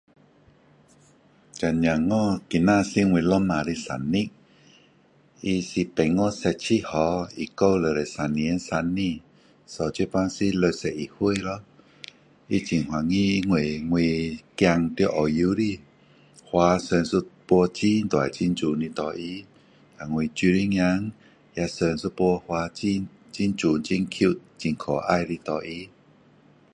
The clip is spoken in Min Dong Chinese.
刚刚好今天是我老婆的生日她是八月十七号一九六十三年生的所以现在是六十一岁咯她很欢喜因为我儿在澳洲的花送一朵很大很美的给她然后我女儿也送一朵花很很美很 cute 很可爱的给她